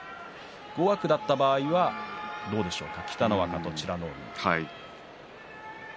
５枠だった場合はどうでしょうか